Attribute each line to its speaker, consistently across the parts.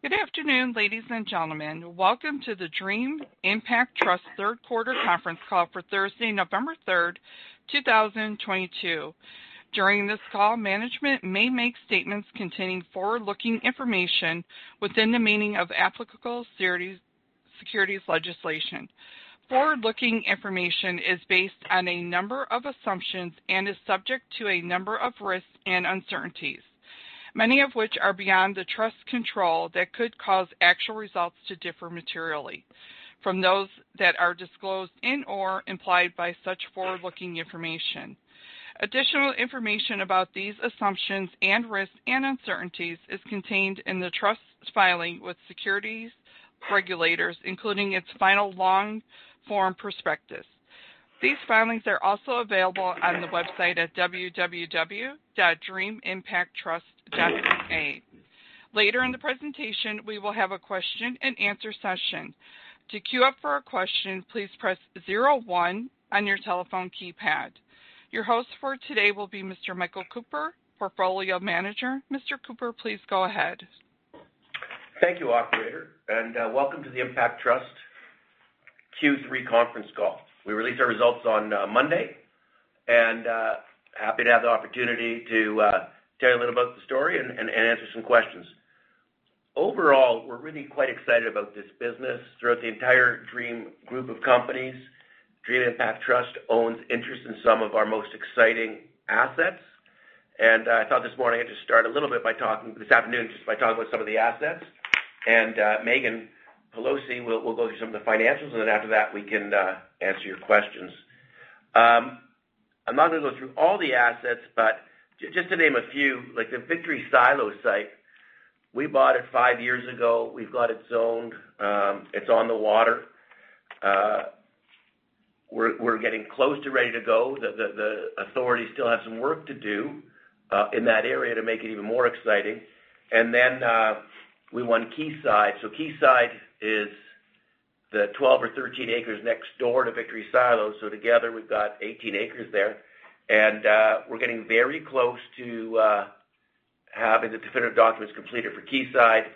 Speaker 1: Good afternoon, ladies and gentlemen. Welcome to the Dream Impact Trust third quarter conference call for Thursday, November 3, 2022. During this call, management may make statements containing forward-looking information within the meaning of applicable securities legislation. Forward-looking information is based on a number of assumptions and is subject to a number of risks and uncertainties, many of which are beyond the Trust's control that could cause actual results to differ materially from those that are disclosed in or implied by such forward-looking information. Additional information about these assumptions and risks and uncertainties is contained in the Trust's filing with securities regulators, including its final long-form prospectus. These filings are also available on the website at www.dreamimpacttrust.ca. Later in the presentation, we will have a question-and-answer session. To queue up for a question, please press zero one on your telephone keypad. Your host for today will be Mr. Michael Cooper, Portfolio Manager. Mr. Cooper, please go ahead.
Speaker 2: Thank you, operator, and welcome to the Dream Impact Trust Q3 conference call. We released our results on Monday and happy to have the opportunity to tell you a little about the story and answer some questions. Overall, we're really quite excited about this business throughout the entire Dream Group of Companies. Dream Impact Trust owns interest in some of our most exciting assets. I thought this morning I'd just start a little bit by talking this afternoon, just by talking about some of the assets. Meaghan Peloso will go through some of the financials, and then after that, we can answer your questions. I'm not gonna go through all the assets, but just to name a few, like the Victory Silos site, we bought it five years ago. We've got it zoned. It's on the water. We're getting close to ready to go. The authorities still have some work to do in that area to make it even more exciting. We won Quayside. Quayside is the 12 or 13 acres next door to Victory Silos. Together, we've got 18 acres there. We're getting very close to having the definitive documents completed for Quayside.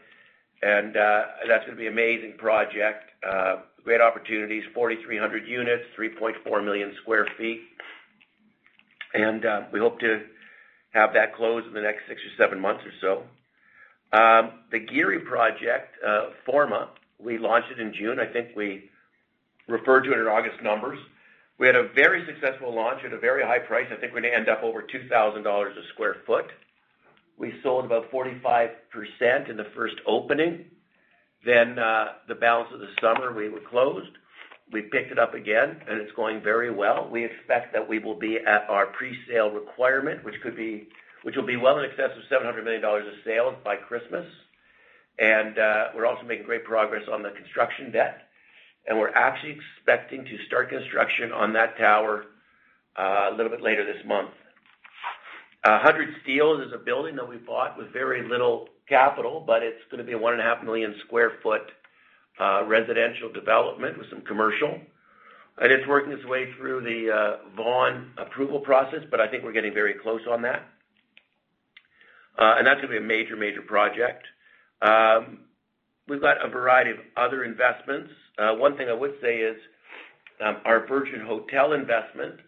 Speaker 2: That's gonna be an amazing project. Great opportunities, 4,300 units, 3.4 million sq ft. We hope to have that closed in the next six or seven months or so. The Gehry project, Forma, we launched it in June. I think we referred to it in August numbers. We had a very successful launch at a very high price. I think we're gonna end up over 2,000 dollars a sq ft. We sold about 45% in the first opening. The balance of the summer, we were closed. We picked it up again, and it's going very well. We expect that we will be at our presale requirement, which will be well in excess of 700 million dollars of sales by Christmas. We're also making great progress on the construction debt. We're actually expecting to start construction on that tower a little bit later this month. 100 Steeles is a building that we bought with very little capital, but it's gonna be a 1.5 million sq ft residential development with some commercial. It's working its way through the Vaughan approval process, but I think we're getting very close on that. That's gonna be a major project. We've got a variety of other investments. One thing I would say is, our Virgin Hotels investment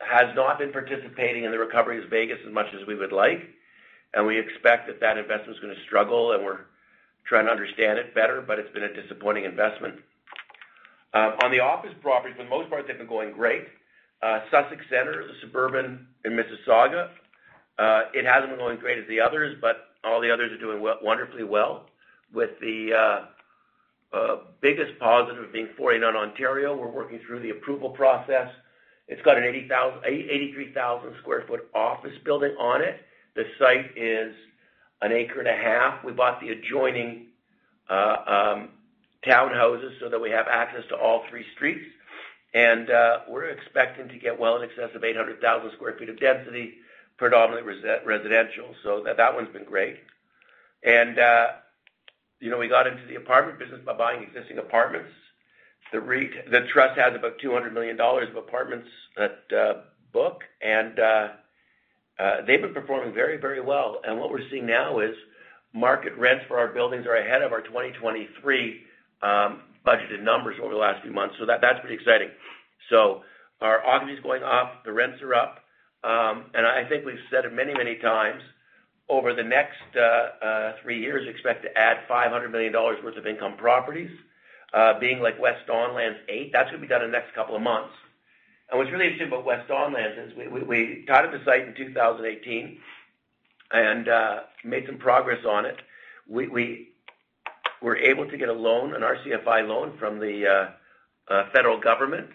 Speaker 2: has not been participating in the recovery of Vegas as much as we would like. We expect that investment is gonna struggle, and we're trying to understand it better, but it's been a disappointing investment. On the office properties, for the most part, they've been going great. Sussex Centre is a suburban in Mississauga. It hasn't been going great as the others, but all the others are doing wonderfully well, with the biggest positive being 49 Ontario. We're working through the approval process. It's got an 83,000 sq ft office building on it. The site is an acre and a half. We bought the adjoining townhouses so that we have access to all three streets. We're expecting to get well in excess of 800,000 sq ft of density, predominantly residential. That one's been great. You know, we got into the apartment business by buying existing apartments. The trust has about 200 million dollars of apartments at book, and they've been performing very well. What we're seeing now is market rents for our buildings are ahead of our 2023 budgeted numbers over the last few months. That's pretty exciting. Our occupancy is going up, the rents are up. I think we've said it many times over the next three years, expect to add 500 million dollars worth of income properties, being like West Don Lands 8. That's gonna be done in the next couple of months. What's really interesting about West Don Lands is we got the site in 2018 and made some progress on it. We were able to get a loan, an RCFI loan from the federal government.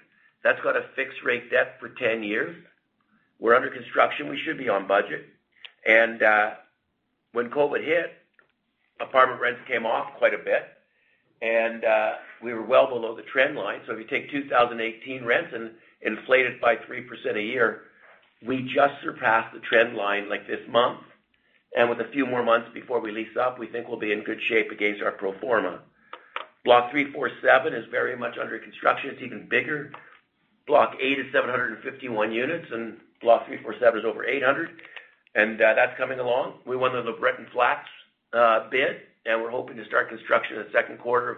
Speaker 2: That's got a fixed rate debt for 10 years. We're under construction. We should be on budget. When COVID hit, apartment rents came off quite a bit, and we were well below the trend line. If you take 2018 rents and inflate it by 3% a year, we just surpassed the trend line like this month. With a few more months before we lease up, we think we'll be in good shape against our pro forma. Blocks 3, 4, and 7 are very much under construction. It's even bigger. Block 8 is 751 units, and Blocks 3, 4, and 7 is over 800. That's coming along. We won the LeBreton Flats bid, and we're hoping to start construction in the second quarter of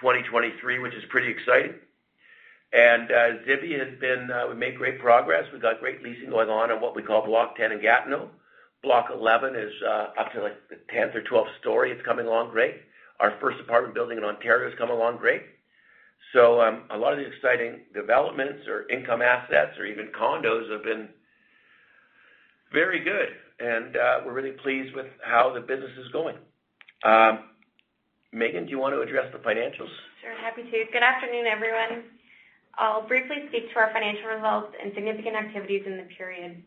Speaker 2: 2023, which is pretty exciting. Zibi has been, we made great progress. We've got great leasing going on in what we call Block 10 in Gatineau. Block 11 is up to, like, 10-12 stories. It's coming along great. Our first apartment building in Ontario is coming along great. A lot of the exciting developments or income assets or even condos have been very good. We're really pleased with how the business is going. Meaghan, do you want to address the financials?
Speaker 3: Sure, happy to. Good afternoon, everyone. I'll briefly speak to our financial results and significant activities in the period.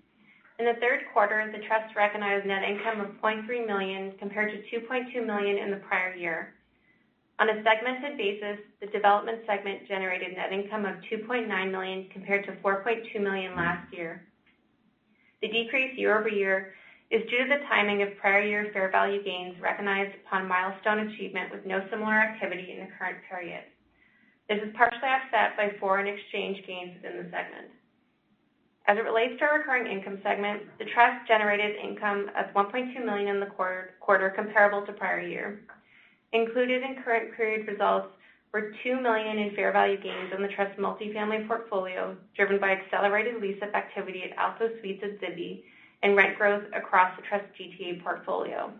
Speaker 3: In the third quarter, the Trust recognized net income of 0.3 million, compared to 2.2 million in the prior year. On a segmented basis, the development segment generated net income of 2.9 million compared to 4.2 million last year. The decrease year-over-year is due to the timing of prior year fair value gains recognized upon milestone achievement with no similar activity in the current period. This is partially offset by foreign exchange gains within the segment. As it relates to our current income segment, the Trust generated income of 1.2 million in the quarter, comparable to prior year. Included in current period results were 2 million in fair value gains on the Trust multifamily portfolio, driven by accelerated lease-up activity at Aalto at Zibi and rent growth across the Trust GTA portfolio.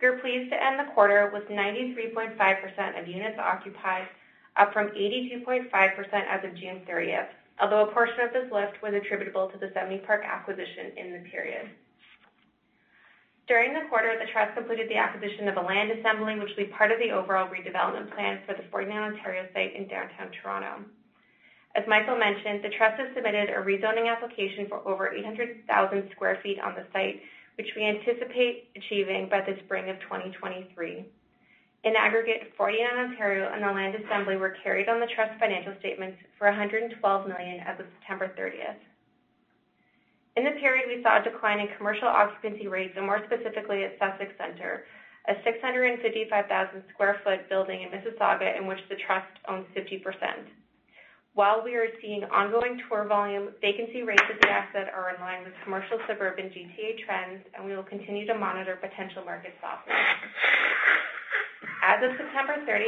Speaker 3: We are pleased to end the quarter with 93.5% of units occupied, up from 82.5% as of June 30th, although a portion of this lift was attributable to the Seniors' Park acquisition in the period. During the quarter, the Trust completed the acquisition of a land assembly, which will be part of the overall redevelopment plan for the 49 Ontario site in downtown Toronto. As Michael mentioned, the Trust has submitted a rezoning application for over 800,000 sq ft on the site, which we anticipate achieving by the spring of 2023. In aggregate, 49 Ontario and the land assembly were carried on the Trust financial statements for 112 million as of September th. In the period, we saw a decline in commercial occupancy rates, and more specifically at Sussex Centre, a 655,000 sq ft building in Mississauga in which the Trust owns 50%. While we are seeing ongoing tour volume, vacancy rates of the asset are in line with commercial suburban GTA trends, and we will continue to monitor potential market softness. As of September 30,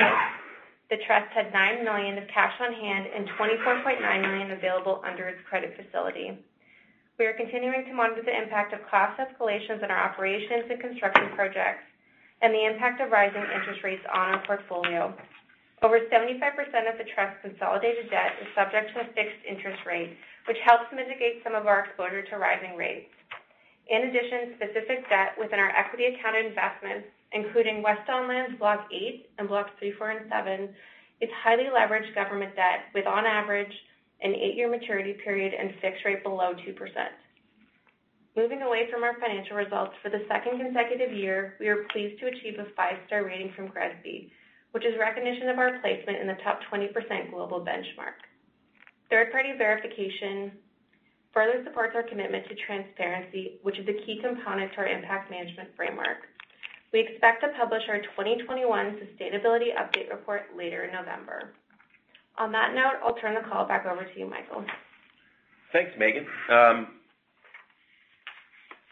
Speaker 3: the Trust had 9 million of cash on hand and 24.9 million available under its credit facility. We are continuing to monitor the impact of cost escalations in our operations and construction projects and the impact of rising interest rates on our portfolio. Over 75% of the Trust's consolidated debt is subject to a fixed interest rate, which helps mitigate some of our exposure to rising rates. In addition, specific debt within our equity accounted investments, including West Don Lands Block 8 and Blocks 3, 4, and 7, is highly leveraged government debt with, on average, an eight-year maturity period and fixed rate below 2%. Moving away from our financial results, for the second consecutive year, we are pleased to achieve a five-star rating from GRESB, which is recognition of our placement in the top 20% global benchmark. Third-party verification further supports our commitment to transparency, which is a key component to our impact management framework. We expect to publish our 2021 sustainability update report later in November. On that note, I'll turn the call back over to you, Michael.
Speaker 2: Thanks, Meaghan.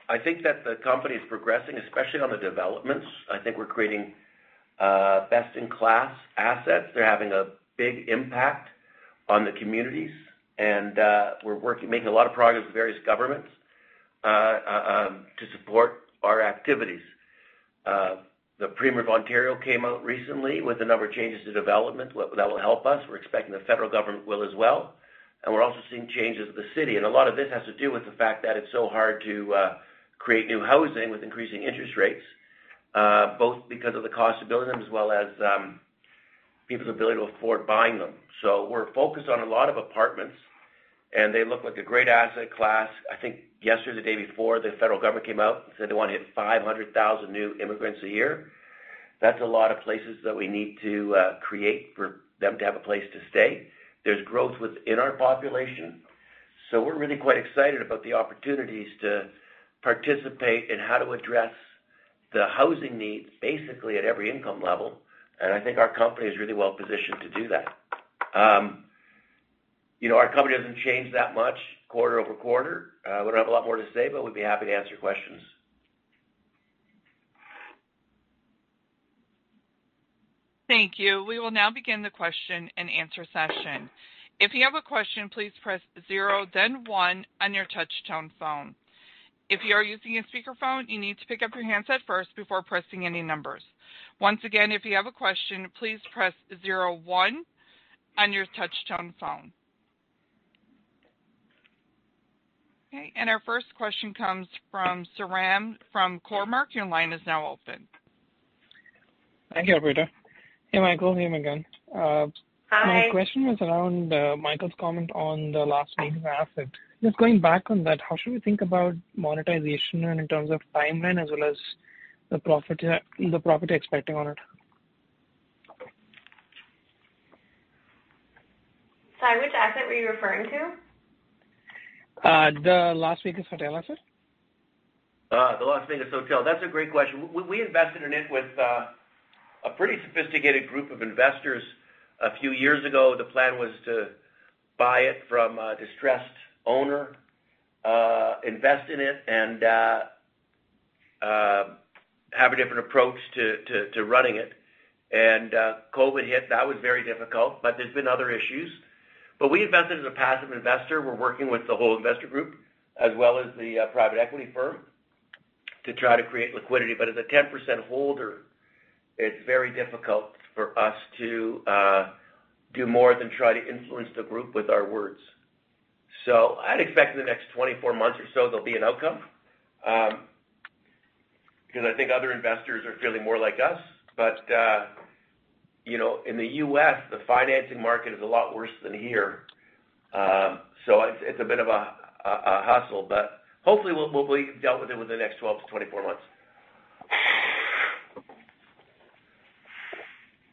Speaker 2: I think that the company is progressing, especially on the developments. I think we're creating best-in-class assets. They're having a big impact on the communities, and we're working, making a lot of progress with various governments to support our activities. The Premier of Ontario came out recently with a number of changes to development. That will help us. We're expecting the federal government will as well. We're also seeing changes at the city. A lot of this has to do with the fact that it's so hard to create new housing with increasing interest rates both because of the cost to build them as well as people's ability to afford buying them. We're focused on a lot of apartments, and they look like a great asset class. I think yesterday, the day before, the federal government came out and said they want to hit 500,000 new immigrants a year. That's a lot of places that we need to create for them to have a place to stay. There's growth within our population. We're really quite excited about the opportunities to participate in how to address the housing needs, basically at every income level. I think our company is really well positioned to do that. You know, our company hasn't changed that much quarter-over-quarter. We don't have a lot more to say, but we'd be happy to answer your questions.
Speaker 1: Thank you. We will now begin the question-and-answer session. If you have a question, please press zero then one on your touchtone phone. If you are using a speakerphone, you need to pick up your handset first before pressing any numbers. Once again, if you have a question, please press zero-one on your touchtone phone. Okay. Our first question comes from Sairam from Cormark. Your line is now open.
Speaker 4: Thank you, operator. Hey, Michael. Hey, Meaghan.
Speaker 3: Hi.
Speaker 4: My question was around Michael's comment on the last major asset. Just going back on that, how should we think about monetization and in terms of timeline as well as the profit expecting on it?
Speaker 3: Sorry, which asset were you referring to?
Speaker 4: The last thing is hotel asset.
Speaker 2: The last thing is hotel. That's a great question. We invested in it with a pretty sophisticated group of investors a few years ago. The plan was to buy it from a distressed owner, invest in it, and have a different approach to running it. COVID hit. That was very difficult, but there's been other issues. We invested as a passive investor. We're working with the whole investor group as well as the private equity firm to try to create liquidity. As a 10% holder, it's very difficult for us to do more than try to influence the group with our words. I'd expect in the next 24 months or so there'll be an outcome, because I think other investors are feeling more like us. You know, in the U.S., the financing market is a lot worse than here. It's a bit of a hustle, but hopefully we'll deal with it within the next 12-24 months.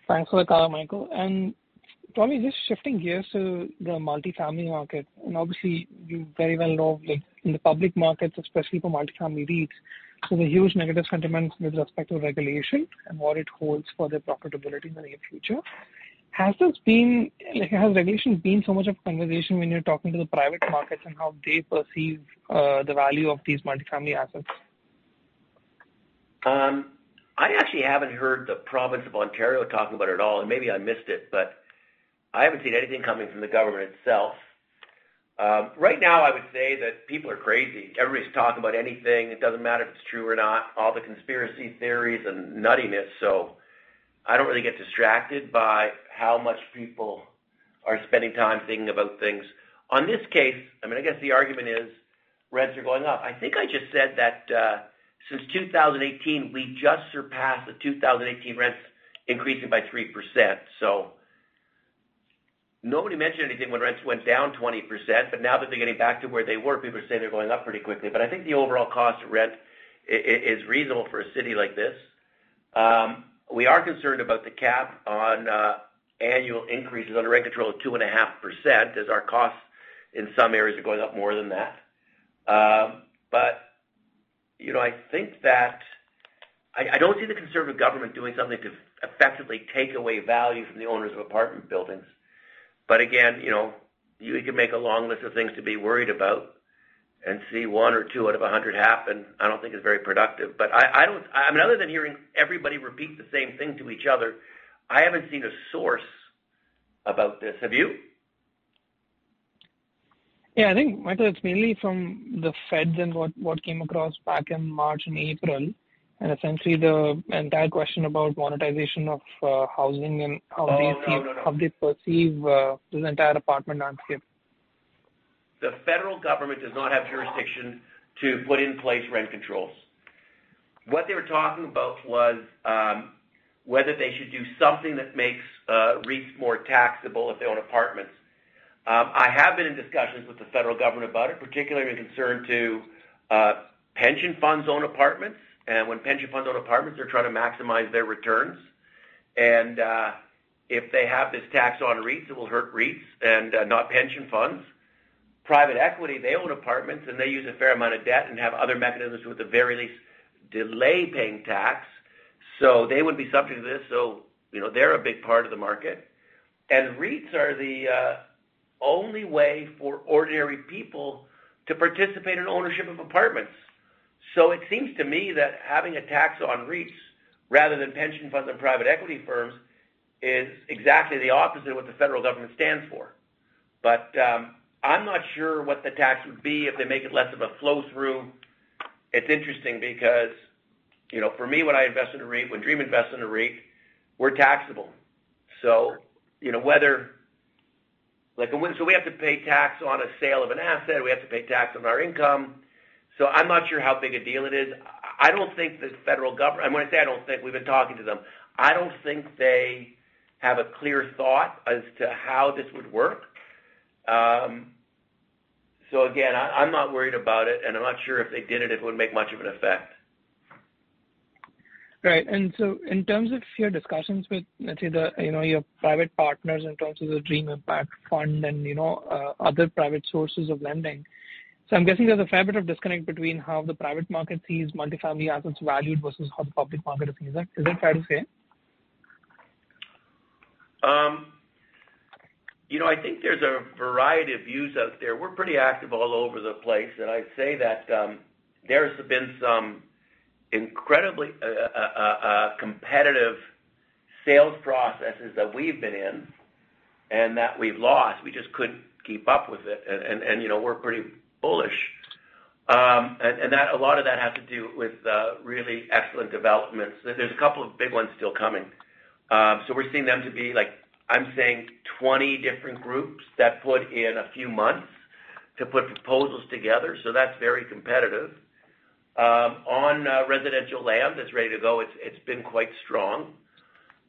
Speaker 4: Thanks for the call, Michael. Tommy, just shifting gears to the multifamily market, and obviously you very well know, like in the public markets, especially for multifamily REITs, so the huge negative sentiment with respect to regulation and what it holds for their profitability in the near future. Has regulation been so much of a conversation when you're talking to the private markets and how they perceive the value of these multifamily assets?
Speaker 2: I actually haven't heard the province of Ontario talk about it at all, and maybe I missed it, but I haven't seen anything coming from the government itself. Right now, I would say that people are crazy. Everybody's talking about anything. It doesn't matter if it's true or not, all the conspiracy theories and nuttiness. I don't really get distracted by how much people are spending time thinking about things. On this case, I mean, I guess the argument is rents are going up. I think I just said that, since 2018, we just surpassed the 2018 rents increasing by 3%. Nobody mentioned anything when rents went down 20%, but now that they're getting back to where they were, people are saying they're going up pretty quickly. I think the overall cost of rent is reasonable for a city like this. We are concerned about the cap on annual increases under rent control of 2.5% as our costs in some areas are going up more than that. You know, I think that I don't see the conservative government doing something to effectively take away value from the owners of apartment buildings. Again, you know, you can make a long list of things to be worried about and see one or two out of 100 happen. I don't think it's very productive. I mean, other than hearing everybody repeat the same thing to each other, I haven't seen a source about this. Have you?
Speaker 4: Yeah, I think, Michael, it's mainly from the feds and what came across back in March and April, and essentially the entire question about monetization of housing and how they see.
Speaker 2: Oh, no, no.
Speaker 4: How they perceive this entire apartment landscape.
Speaker 2: The federal government does not have jurisdiction to put in place rent controls. What they were talking about was whether they should do something that makes REITs more taxable if they own apartments. I have been in discussions with the federal government about it, particularly in concern to pension funds own apartments, and when pension funds own apartments, they're trying to maximize their returns. If they have this tax on REITs, it will hurt REITs and not pension funds. Private equity, they own apartments, and they use a fair amount of debt and have other mechanisms to at the very least delay paying tax. They would be subject to this, so you know, they're a big part of the market. REITs are the only way for ordinary people to participate in ownership of apartments. It seems to me that having a tax on REITs rather than pension funds and private equity firms is exactly the opposite of what the federal government stands for. I'm not sure what the tax would be if they make it less of a flow-through. It's interesting because, you know, for me, when I invest in a REIT, when Dream invests in a REIT, we're taxable. You know, like, we have to pay tax on a sale of an asset. We have to pay tax on our income. I'm not sure how big a deal it is. I don't think the federal government. When I say I don't think, we've been talking to them. I don't think they have a clear thought as to how this would work. Again, I'm not worried about it, and I'm not sure if they did it would make much of an effect.
Speaker 4: Right. In terms of your discussions with, let's say, you know, your private partners in terms of the Dream Impact Fund and, you know, other private sources of lending. I'm guessing there's a fair bit of disconnect between how the private market sees multifamily assets valued versus how the public market is. Is that fair to say?
Speaker 2: You know, I think there's a variety of views out there. We're pretty active all over the place, and I'd say that there's been some incredibly competitive sales processes that we've been in and that we've lost. We just couldn't keep up with it. You know, we're pretty bullish. A lot of that has to do with really excellent developments. There's a couple of big ones still coming. We're seeing them to be like, I'm saying 20 different groups that put in a few months to put proposals together. That's very competitive. On residential land that's ready to go, it's been quite strong.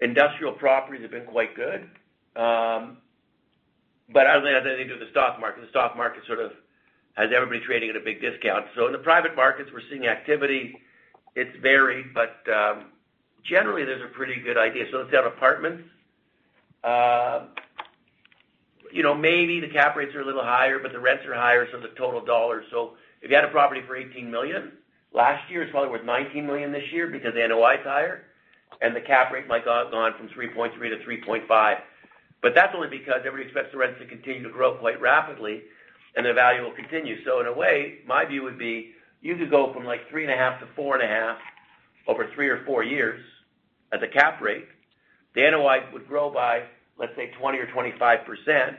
Speaker 2: Industrial properties have been quite good. Other than that, it's the stock market. The stock market sort of has everybody trading at a big discount. In the private markets, we're seeing activity. It's varied, but generally, there's a pretty good idea. Let's have apartments. You know, maybe the cap rates are a little higher, but the rents are higher, so the total dollars. If you had a property for 18 million last year, it's probably worth 19 million this year because the NOI is higher, and the cap rate might go from 3.3-3.5. But that's only because everybody expects the rents to continue to grow quite rapidly and the value will continue. In a way, my view would be you could go from, like, 3.5-4.5 over three or four years as a cap rate. The NOI would grow by, let's say, 20% or 25%,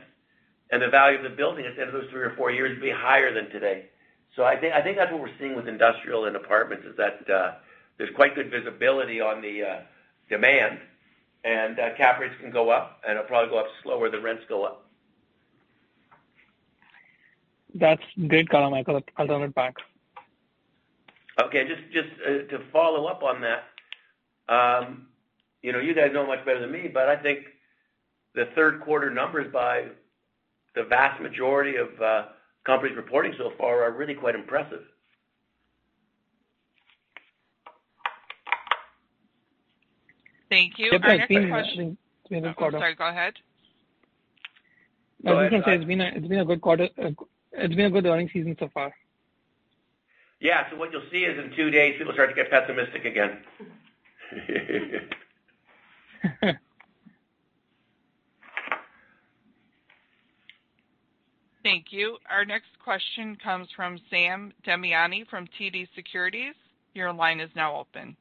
Speaker 2: and the value of the building at the end of those three or four years would be higher than today. I think that's what we're seeing with industrial and apartments, is that there's quite good visibility on the demand. Cap rates can go up, and it'll probably go up slower than rents go up.
Speaker 4: That's great, Michael. I'll turn it back.
Speaker 2: Okay. Just to follow up on that, you know, you guys know much better than me, but I think the third quarter numbers by the vast majority of companies reporting so far are really quite impressive.
Speaker 1: Thank you. I'm sorry. Go ahead.
Speaker 2: Go ahead.
Speaker 4: I was gonna say it's been a good quarter. It's been a good earnings season so far.
Speaker 2: Yeah. What you'll see is in two days, people start to get pessimistic again.
Speaker 1: Thank you. Our next question comes from Sam Damiani from TD Securities. Your line is now open.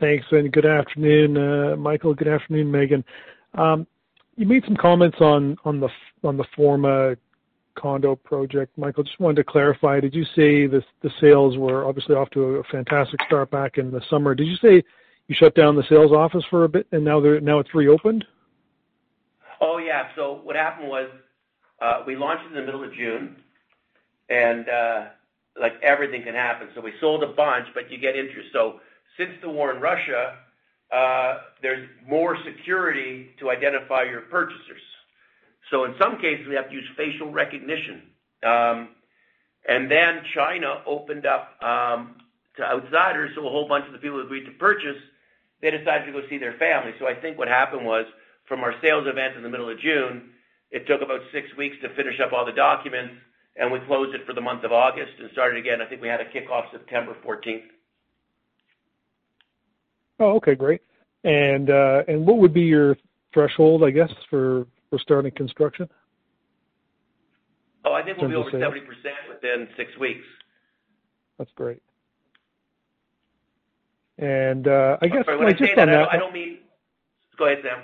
Speaker 5: Thanks. Good afternoon, Michael. Good afternoon, Meaghan. You made some comments on the Forma condo project. Michael, just wanted to clarify, did you say the sales were obviously off to a fantastic start back in the summer? Did you say you shut down the sales office for a bit and now it's reopened?
Speaker 2: Oh, yeah. What happened was, we launched in the middle of June, and, like everything can happen. We sold a bunch, but you get interest. Since the war in Russia, there's more security to identify your purchasers. In some cases, we have to use facial recognition. And then China opened up to outsiders. A whole bunch of the people agreed to purchase. They decided to go see their family. What happened was, from our sales event in the middle of June, it took about six weeks to finish up all the documents, and we closed it for the month of August and started again. We had a kickoff September 14th.
Speaker 5: Oh, okay. Great. What would be your threshold, I guess, for starting construction?
Speaker 2: Oh, I think we'll be over 70% within six weeks.
Speaker 5: That's great. I guess.
Speaker 2: Sorry. What I said, I don't mean. Go ahead, Sam.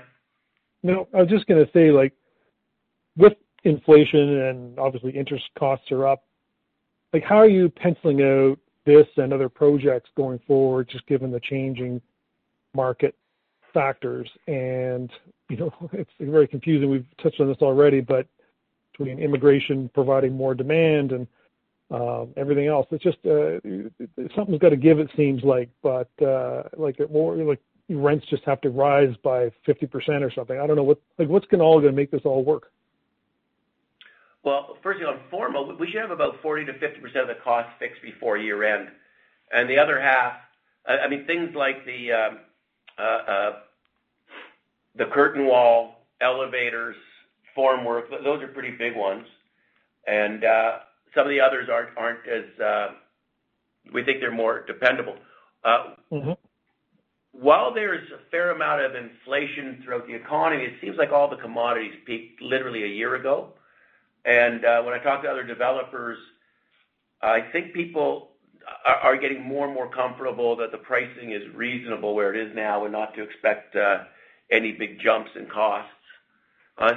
Speaker 5: No, I was just gonna say, like, with inflation and obviously interest costs are up, like, how are you penciling out this and other projects going forward, just given the changing market factors? You know, it's very confusing. We've touched on this already, but between immigration providing more demand and everything else, it's just something's gotta give, it seems like. Like rents just have to rise by 50% or something. I don't know what. Like, what's gonna make this all work?
Speaker 2: Well, firstly, on Forma, we should have about 40%-50% of the cost fixed before year-end. The other half, I mean things like the curtain wall, elevators, formwork, those are pretty big ones. Some of the others aren't as. We think they're more dependable.
Speaker 5: Mm-hmm.
Speaker 2: While there's a fair amount of inflation throughout the economy, it seems like all the commodities peaked literally a year ago. When I talk to other developers, I think people are getting more and more comfortable that the pricing is reasonable where it is now and not to expect any big jumps in costs.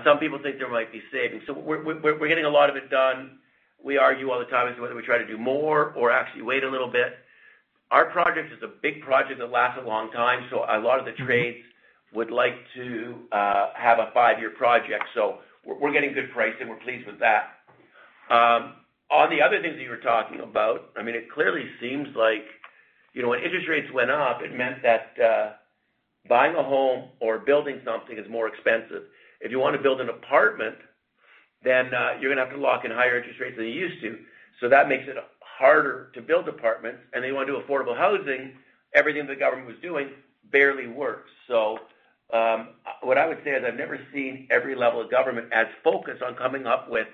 Speaker 2: Some people think there might be savings. We're getting a lot of it done. We argue all the time as to whether we try to do more or actually wait a little bit. Our project is a big project that lasts a long time, so a lot of the trades would like to have a five-year project. We're getting good pricing. We're pleased with that. On the other things that you were talking about, I mean, it clearly seems like, you know, when interest rates went up, it meant that, buying a home or building something is more expensive. If you want to build an apartment, then, you're gonna have to lock in higher interest rates than you used to, so that makes it harder to build apartments. You wanna do affordable housing, everything the government was doing barely works. What I would say is I've never seen every level of government as focused on coming up with,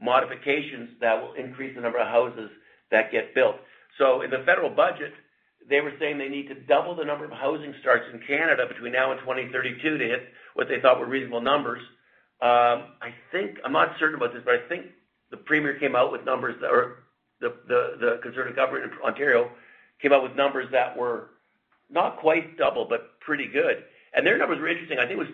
Speaker 2: modifications that will increase the number of houses that get built. In the federal budget, they were saying they need to double the number of housing starts in Canada between now and 2032 to hit what they thought were reasonable numbers. I think, I'm not certain about this, but I think the premier came out with numbers or the conservative government in Ontario came out with numbers that were not quite double, but pretty good. Their numbers were interesting. I think it was.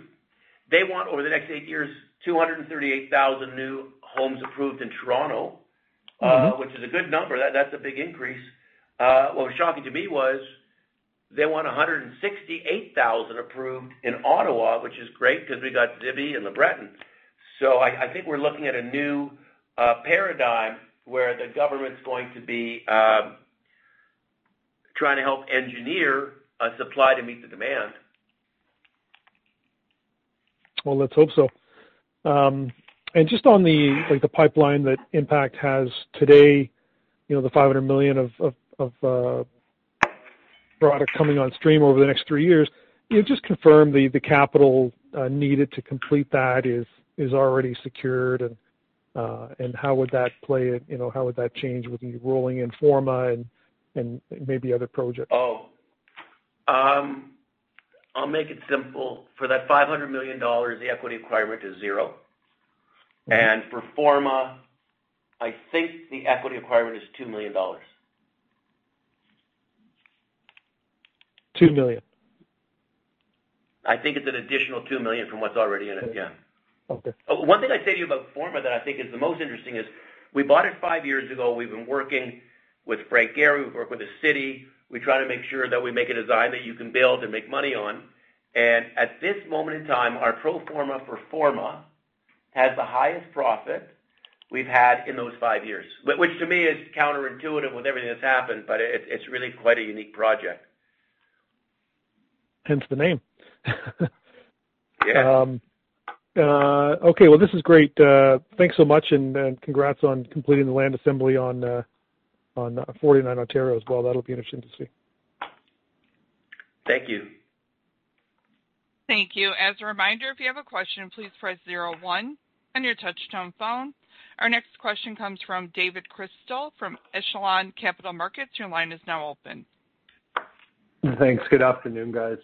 Speaker 2: They want over the next eight years, 238,000 new homes approved in Toronto.
Speaker 5: Mm-hmm.
Speaker 2: Which is a good number. That's a big increase. What was shocking to me was they want 168,000 approved in Ottawa, which is great because we got Zibi and LeBreton. I think we're looking at a new paradigm where the government's going to be trying to help engineer a supply to meet the demand.
Speaker 5: Well, let's hope so. Just on the, like, pipeline that Impact has today, you know, 500 million of product coming on stream over the next three years. Can you just confirm the capital needed to complete that is already secured? How would that play out? You know, how would that change with you rolling in Forma and maybe other projects?
Speaker 2: Oh. I'll make it simple. For that 500 million dollars, the equity requirement is zero.
Speaker 5: Mm-hmm.
Speaker 2: For Forma, I think the equity requirement is 2 million
Speaker 5: dollars. 2 million?
Speaker 2: I think it's an additional 2 million from what's already in it, yeah.
Speaker 5: Okay.
Speaker 2: One thing I'd say to you about Forma that I think is the most interesting is we bought it five years ago. We've been working with Frank Gehry, we've worked with the city. We try to make sure that we make a design that you can build and make money on. At this moment in time, our pro forma for Forma has the highest profit we've had in those five years. Which to me is counterintuitive with everything that's happened, but it's really quite a unique project.
Speaker 5: Hence the name.
Speaker 2: Yeah.
Speaker 5: Okay, well, this is great. Thanks so much and congrats on completing the land assembly on 49 Ontario as well. That'll be interesting to see.
Speaker 2: Thank you.
Speaker 1: Thank you. As a reminder, if you have a question, please press zero one on your touchtone phone. Our next question comes from David Crystal from Echelon Capital Markets. Your line is now open.
Speaker 6: Thanks. Good afternoon, guys.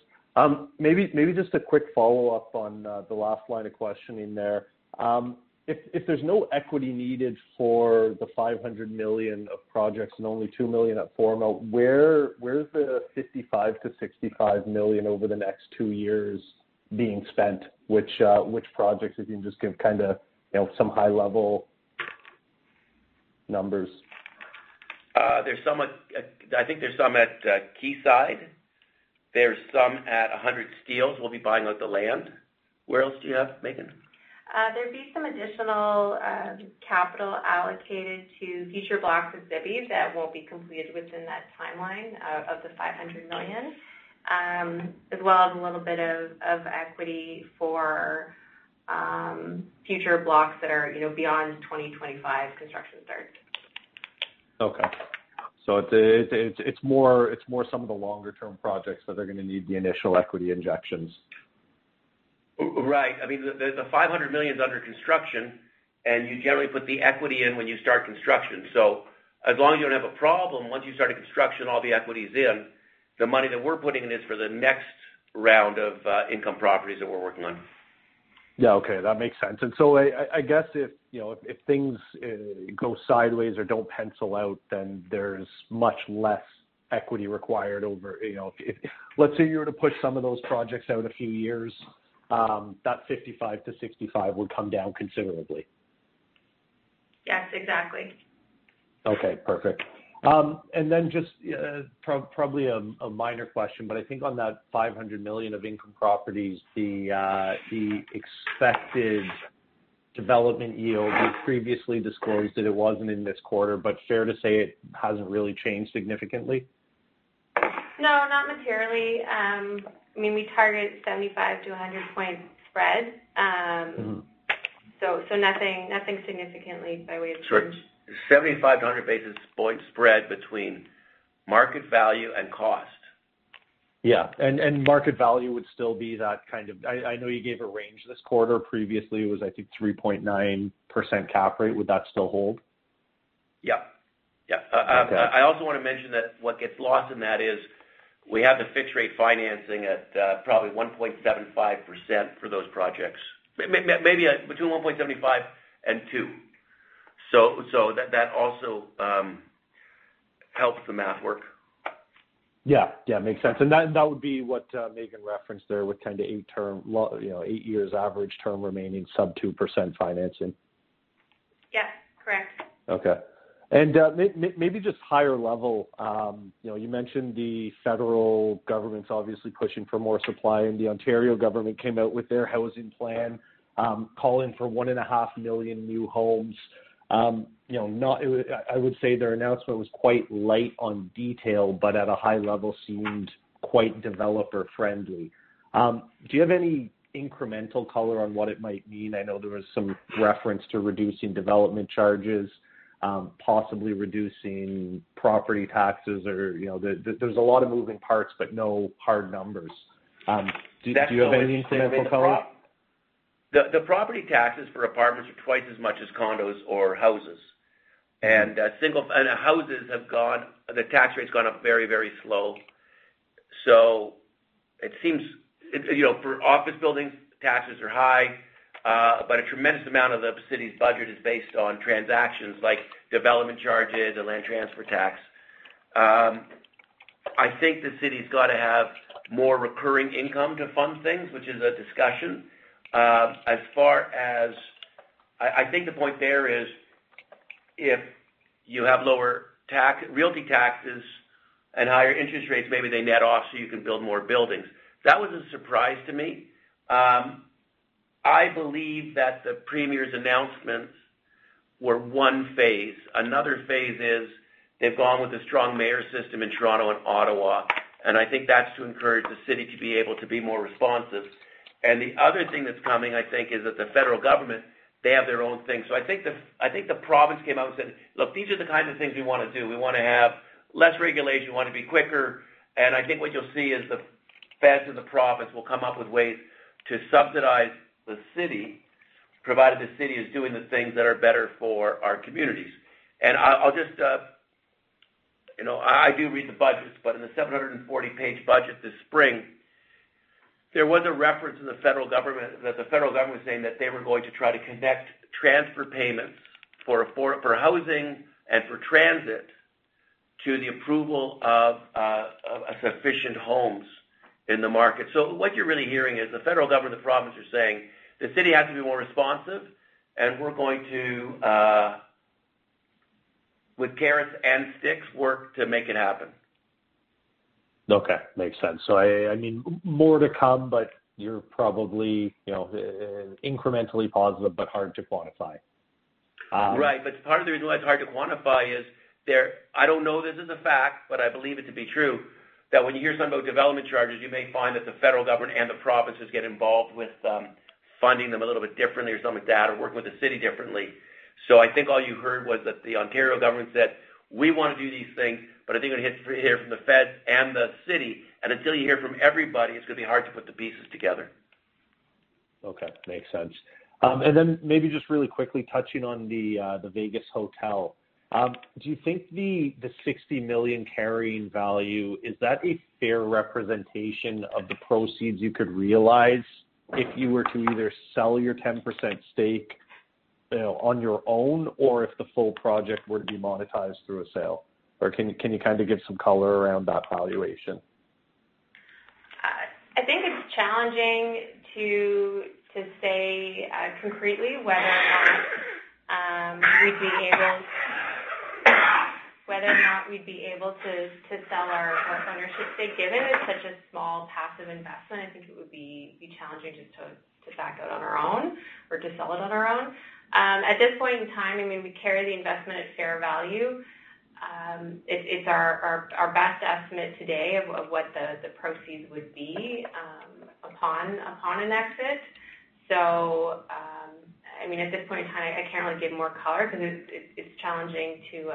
Speaker 6: Maybe just a quick follow-up on the last line of questioning there. If there's no equity needed for the 500 million of projects and only 2 million at Forma, where is the 55 million-65 million over the next two years being spent? Which projects, if you can just give kinda, you know, some high level numbers.
Speaker 2: I think there's some at Quayside. There's some at 100 Steeles. We'll be buying out the land. Where else do you have, Meaghan?
Speaker 3: There'd be some additional capital allocated to future blocks of Zibi that will be completed within that timeline of the 500 million, as well as a little bit of equity for future blocks that are, you know, beyond 2025 construction start.
Speaker 6: It's more some of the longer term projects that are gonna need the initial equity injections.
Speaker 2: Right. I mean, the 500 million is under construction, and you generally put the equity in when you start construction. As long as you don't have a problem, once you start a construction, all the equity is in. The money that we're putting in is for the next round of income properties that we're working on.
Speaker 6: Yeah. Okay. That makes sense. I guess if you know, if things go sideways or don't pencil out, then there's much less equity required over you know, let's say you were to push some of those projects out a few years, that 55-65 would come down considerably.
Speaker 3: Yes, exactly.
Speaker 6: Okay. Perfect. Just probably a minor question, but I think on that 500 million of income properties, the expected development yield, you previously disclosed that it wasn't in this quarter, but fair to say it hasn't really changed significantly?
Speaker 3: No, not materially. I mean, we target 75-100 point spread.
Speaker 6: Mm-hmm.
Speaker 3: Nothing significant by way of change.
Speaker 2: Sure. 75-100 basis point spread between market value and cost.
Speaker 6: Yeah. Market value would still be that kind of, I know you gave a range this quarter. Previously, it was, I think, 3.9% cap rate. Would that still hold?
Speaker 2: Yeah. Yeah.
Speaker 6: Okay.
Speaker 2: I also wanna mention that what gets lost in that is we have the fixed rate financing at probably 1.75% for those projects. Maybe between 1.75% and 2%. So that also helps the math work.
Speaker 6: Yeah. Makes sense. That would be what Meaghan referenced there with 10- to 8-year term, you know, eight years average term remaining sub 2% financing.
Speaker 3: Yes. Correct.
Speaker 6: Okay. Maybe just higher level, you know, you mentioned the federal government's obviously pushing for more supply, and the Ontario government came out with their housing plan, calling for 1.5 million new homes. I would say their announcement was quite light on detail, but at a high level, seemed quite developer friendly. Do you have any incremental color on what it might mean? I know there was some reference to reducing development charges, possibly reducing property taxes or, you know, there's a lot of moving parts, but no hard numbers. Do you have any incremental color?
Speaker 2: The property taxes for apartments are twice as much as condos or houses. The tax rate's gone up very, very slow. It seems, you know, for office buildings, taxes are high, but a tremendous amount of the city's budget is based on transactions like development charges and land transfer tax. I think the city's gotta have more recurring income to fund things, which is a discussion. I think the point there is if you have lower realty taxes and higher interest rates, maybe they net off so you can build more buildings. That was a surprise to me. I believe that the premier's announcements were one phase. Another phase is they've gone with a strong mayor system in Toronto and Ottawa, and I think that's to encourage the city to be able to be more responsive. The other thing that's coming, I think, is that the federal government, they have their own thing. I think the province came out and said, "Look, these are the kinds of things we wanna do. We wanna have less regulation, we wanna be quicker." I think what you'll see is the feds and the province will come up with ways to subsidize the city, provided the city is doing the things that are better for our communities. I'll just, you know, I do read the budgets, but in the 740-page budget this spring, there was a reference in the federal government that the federal government was saying that they were going to try to connect transfer payments for housing and for transit to the approval of sufficient homes in the market. What you're really hearing is the federal government, the province are saying the city has to be more responsive, and we're going to with carrots and sticks, work to make it happen.
Speaker 6: Okay. Makes sense. I mean, more to come, but you're probably, you know, incrementally positive but hard to quantify.
Speaker 2: Right. Part of the reason why it's hard to quantify is I don't know this as a fact, but I believe it to be true, that when you hear something about development charges, you may find that the federal government and the provinces get involved with funding them a little bit differently or something like that, or working with the city differently. I think all you heard was that the Ontario government said, "We wanna do these things," but I think we'll hear from the feds and the city. Until you hear from everybody, it's gonna be hard to put the pieces together.
Speaker 6: Okay. Makes sense. Maybe just really quickly touching on the Vegas hotel. Do you think the $60 million carrying value is a fair representation of the proceeds you could realize if you were to either sell your 10% stake, you know, on your own or if the full project were to be monetized through a sale? Or can you kind of give some color around that valuation?
Speaker 3: I think it's challenging to say concretely whether or not we'd be able to sell our ownership stake, given it's such a small passive investment. I think it would be challenging to back out on our own or to sell it on our own. At this point in time, I mean, we carry the investment at fair value. It's our best estimate today of what the proceeds would be upon an exit. I mean, at this point in time, I can't really give more color because it's challenging to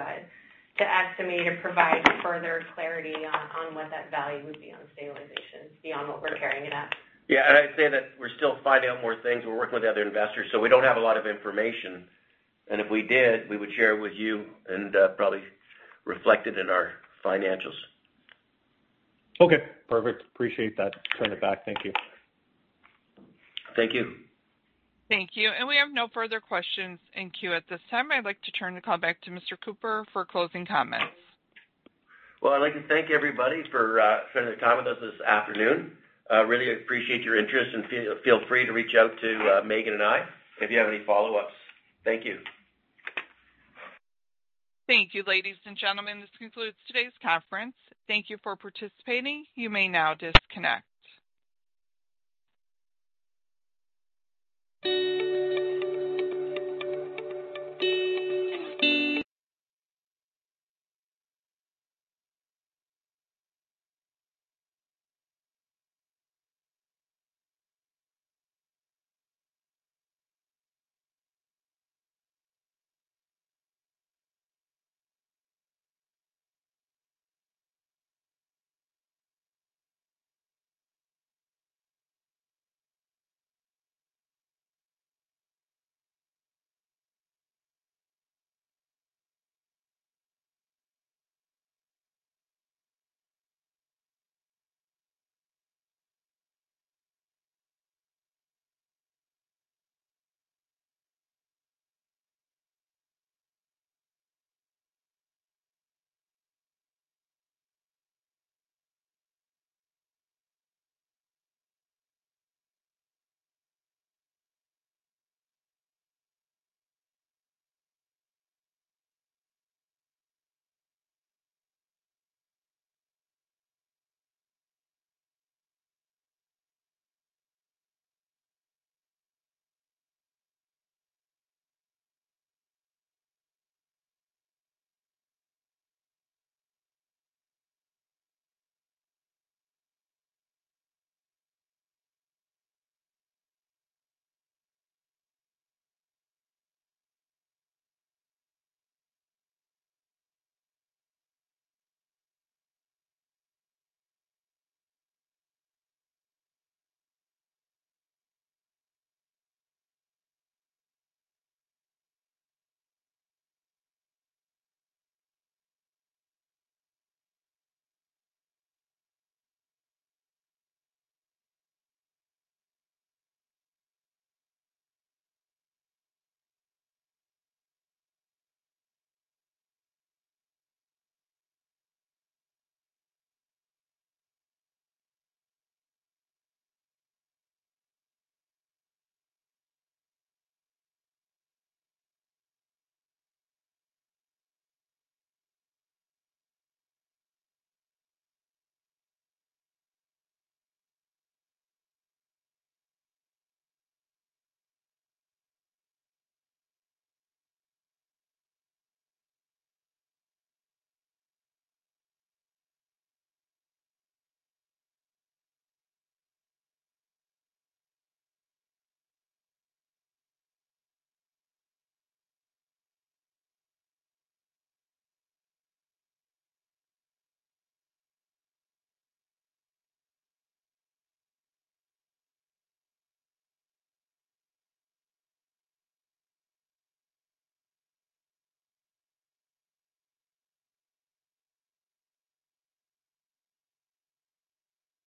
Speaker 3: estimate or provide further clarity on what that value would be on a stabilization beyond what we're carrying it at.
Speaker 2: Yeah. I'd say that we're still finding out more things. We're working with other investors, so we don't have a lot of information. If we did, we would share it with you and probably reflect it in our financials.
Speaker 6: Okay. Perfect. Appreciate that. Turn it back. Thank you.
Speaker 2: Thank you.
Speaker 1: Thank you. We have no further questions in queue at this time. I'd like to turn the call back to Mr. Cooper for closing comments.
Speaker 2: Well, I'd like to thank everybody for spending their time with us this afternoon. Really appreciate your interest. Feel free to reach out to Meaghan and I if you have any follow-ups. Thank you.
Speaker 1: Thank you, ladies and gentlemen. This concludes today's conference. Thank you for participating. You may now disconnect.